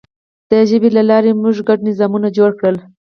د ژبې له لارې موږ ګډ نظامونه جوړ کړل.